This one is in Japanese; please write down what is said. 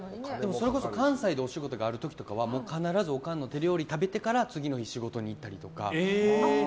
それこそ関西でお仕事ある時は必ず、オカンの手料理を食べてから次の日、仕事に行ったりとか。